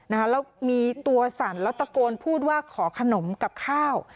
แล้วมีตัวสั่นแล้วตะโกนพูดว่าขอขนมกับข้าว